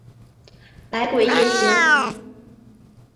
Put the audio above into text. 百鬼夜行。